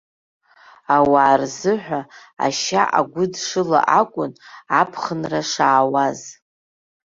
Ауаа рзыҳәа ашьа агәыдшыла акәын аԥхынра шаауаз.